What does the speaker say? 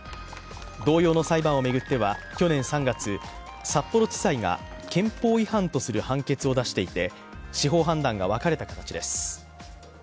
同様の裁判を巡っては去年３月、札幌地裁が憲法違反とする判決を出していて司法判断が分かれた形です。